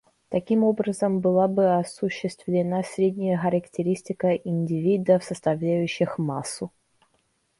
Таким образом была бы осуществлена средняя характеристика индивидов, составляющих массу.